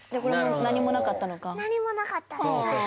これ何もなかったのか何もなかったです